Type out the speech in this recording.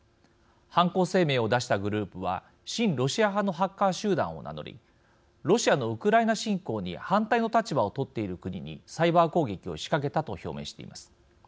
犯行声明を出したグループは親ロシア派のハッカー集団を名乗りロシアのウクライナ侵攻に反対の立場を取っている国にサイバー攻撃を仕掛けたと表明しています。